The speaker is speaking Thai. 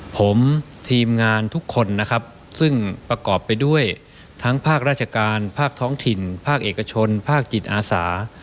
ผมทีมงานทุกคนนะครับซึ่งประกอบไปด้วยทั้งภาคราชการภาคท้องถิ่นภาคเอกชนภาคจิตอาสา